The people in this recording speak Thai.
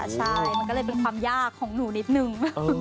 ใช่มันก็เลยเป็นความยากของหนูนิดนึง